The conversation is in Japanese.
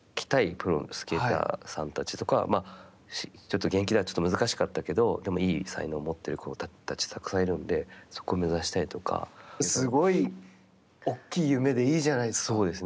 プロのスケーターさんたちとか、ちょっと現役では難しかったけど、でも、いい才能を持っている子たちがたくさんいるので、そこを目指したすごい大きい夢でいいじゃないそうですね。